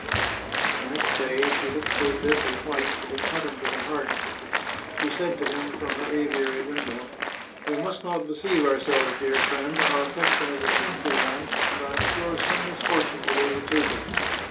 The next day she looked so deadly white that it cut him to the heart. She said to him, from her aviary window: " We must not deceive ourselves, dear friend ; our afifec tion is a sinful one, and I am sure some misfortune will overtake us.